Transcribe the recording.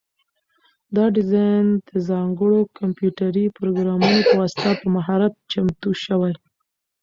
دا ډیزاین د ځانګړو کمپیوټري پروګرامونو په واسطه په مهارت چمتو شوی.